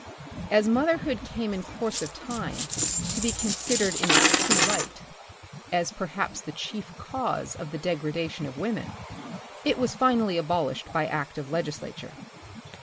As motherhood came in course of time to be considered in its true light, as perhaps the chief cause of the degradation of women, it was finally abolished by act of legislature.